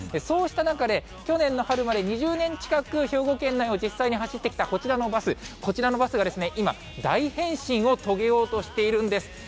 そうした中で、去年の春まで、２０年近く兵庫県内を実際に走ってきたこちらのバス、こちらのバスが今、大変身を遂げようとしているんです。